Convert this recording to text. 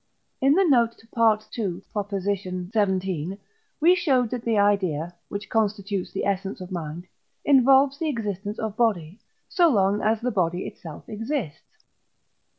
In the note to II. xvii. we showed that the idea, which constitutes the essence of mind, involves the existence of body, so long as the body itself exists.